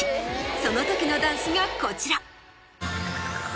その時のダンスがこちら。